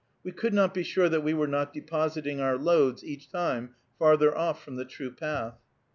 We could not be sure that we were not depositing our loads each time farther off from the true path.